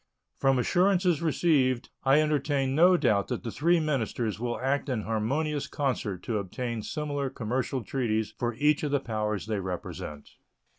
From assurances received I entertain no doubt that the three ministers will act in harmonious concert to obtain similar commercial treaties for each of the powers they represent.